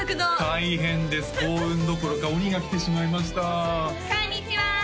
大変です幸運どころか鬼が来てしまいましたこんにちは！